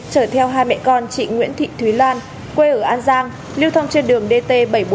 chở theo hai mẹ con chị nguyễn thị thúy lan quê ở an giang lưu thông trên đường dt bảy trăm bốn mươi